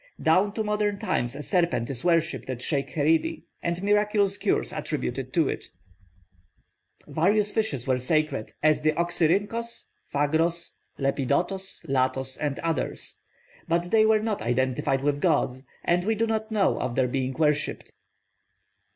Down to modern times a serpent is worshipped at Sheykh Heridy, and miraculous cures attributed to it (S.R.E.B. 213). Various fishes were sacred, as the Oxyrhynkhos, Phagros, Lepidotos, Latos, and others; but they were not identified with gods, and we do not know of their being worshipped.